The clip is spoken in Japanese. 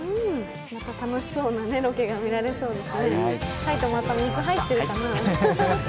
楽しそうなロケが見られそうです。